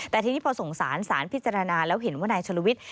แต่ทีนี้พอส่งสารสารพิจารณาแล้วเห็นว่านายชลวิทย์